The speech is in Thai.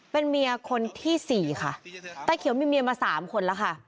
เป็นเมียคนที่สี่ค่ะตาเขียวมีเมียมาสามคนแล้วค่ะ